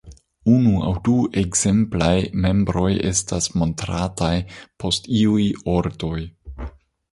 Unu aŭ du ekzemplaj membroj estas montrataj post iuj ordoj.